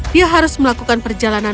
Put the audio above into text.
dia harus melakukan perjalanan